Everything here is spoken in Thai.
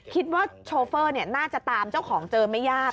คิดว่าโชเฟอร์เนี่ยน่าจะตามเจ้าของเจอไม่ยาก